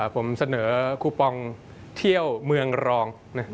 ผมเสนอคูปองเที่ยวเมืองรอง